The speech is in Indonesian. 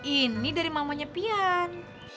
ini dari mamanya pian